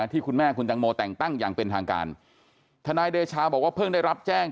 ที่คุณแม่คุณตังโมแต่งตั้งอย่างเป็นทางการทนายเดชาบอกว่าเพิ่งได้รับแจ้ง